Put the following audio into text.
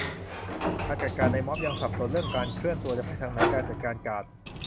การจัดการในม็อบ ยังสับสนเรื่องการเคลื่อนตัวจะไปทางไหน การจัดการการ์ด